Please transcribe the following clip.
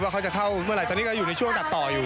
เขาจะเข้าเมื่อไหร่ตอนนี้ก็อยู่ในช่วงตัดต่ออยู่